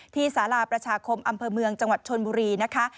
สาราประชาคมอำเภอเมืองจังหวัดชนบุรีนะคะ